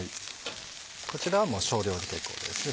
こちらは少量で結構です。